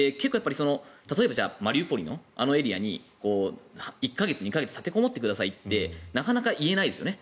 例えばマリウポリのあのエリアに１か月、２か月立てこもってくださいってなかなか言えないですよね。